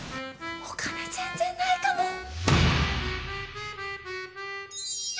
お金全然ないかも。